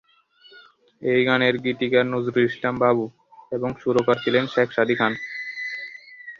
এই গানের গীতিকার নজরুল ইসলাম বাবু এবং সুরকার ছিলেন শেখ সাদী খান।